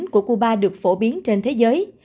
của cuba được phổ biến trên thế giới